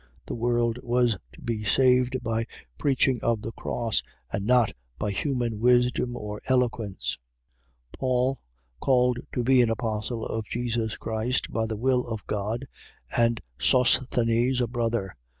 The world was to be saved by preaching of the cross, and not by human wisdom or eloquence. 1:1. Paul, called to be an apostle of Jesus Christ by the will of God, and Sosthenes a brother, 1:2.